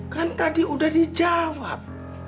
kan tadi udah dijawab